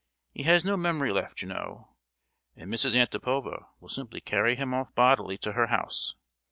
He has no memory left, you know, and Mrs. Antipova will simply carry him off bodily to her house.